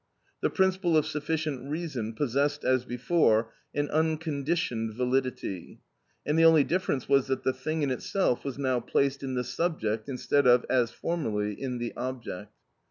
The principle of sufficient reason possessed as before an unconditioned validity, and the only difference was that the thing in itself was now placed in the subject instead of, as formerly, in the object.